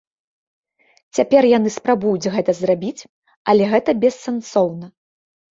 Цяпер яны спрабуюць гэта зрабіць, але гэта бессэнсоўна.